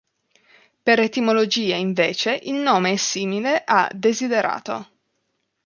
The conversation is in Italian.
Per etimologia, invece, il nome è simile a Desiderato.